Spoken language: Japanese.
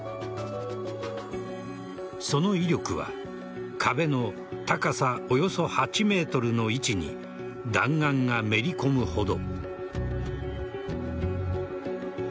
その威力は壁の高さおよそ８ｍの位置に弾丸がめり込むほど。